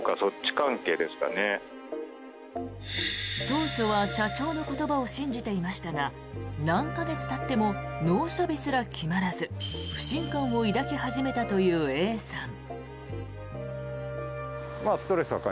当初は社長の言葉を信じていましたが何か月たっても納車日すら決まらず不信感を抱き始めたというＡさん。